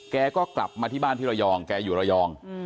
แกก็กลับมาที่บ้านที่ระยองแกอยู่ระยอง